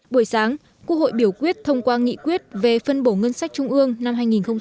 buổi sáng quốc hội biểu quyết thông qua nghị quyết về phân bổ ngân sách trung ương năm hai nghìn hai mươi